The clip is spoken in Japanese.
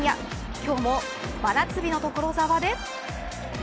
今日も真夏日の所沢で。